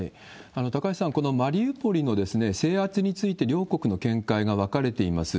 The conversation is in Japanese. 高橋さん、このマリウポリの制圧について、両国の見解が分かれています。